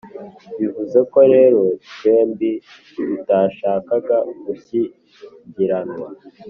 bivuzeko rero twembi tutashakaga gushyingirwana